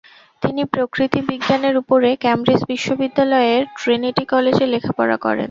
তিনি প্রকৃতি বিজ্ঞানের উপরে কেমব্রিজ বিশ্ববিদ্যালয়ের ট্রিনিটি কলেজে লেখাপড়া করেন।